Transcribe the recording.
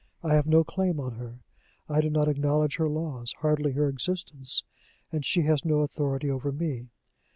I have no claim on her; I do not acknowledge her laws hardly her existence, and she has no authority over me.